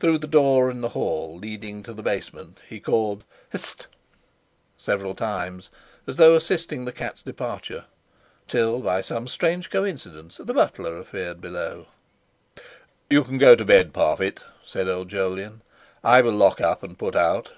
Through the door in the hall leading to the basement he called "Hssst!" several times, as though assisting the cat's departure, till by some strange coincidence the butler appeared below. "You can go to bed, Parfitt," said old Jolyon. "I will lock up and put out."